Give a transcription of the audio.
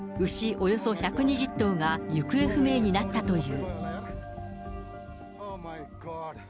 およそ１２０頭が行方不明になったという。